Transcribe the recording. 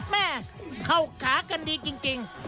แม่เข้าขากันดีจริง